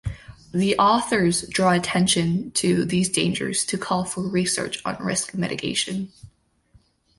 The authors draw attention to these dangers to call for research on risk mitigation.